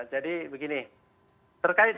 jadi begini terkait